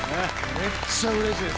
めっちゃうれしいです。